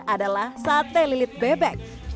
adalah sate lilit bebek